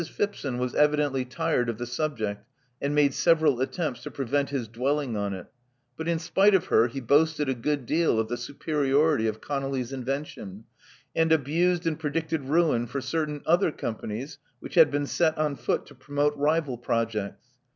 Phipson was evidently tired of the subject, and made several attempts to prevent his dwelling on it ; but, in spite of her, he boasted a good deal of the superiority of Conolly's invention, and abused and predicted ruin for certain other companies which had been set on foot to promote rival projects.